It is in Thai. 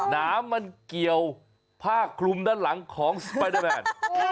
น้ำมันเกี่ยวผ้าคลุมด้านหลังของสไปเดอร์แมน